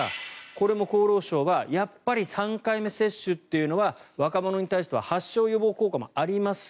これも厚労省はやっぱり３回目接種というのは若者に対しては発症予防効果もあります